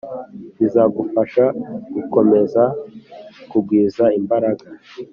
bizagufasha gukomeza kugwiza imbaraga